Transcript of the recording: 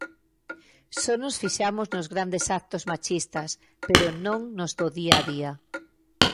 Só nos fixamos nos grandes actos machistas, pero non nos do día a día.